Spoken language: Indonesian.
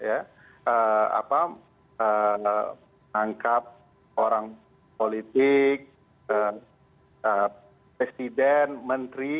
apa menganggap orang politik presiden menteri